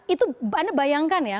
itu anda bayangkan ya